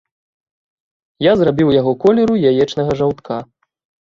Я зрабіў яго колеру яечнага жаўтка.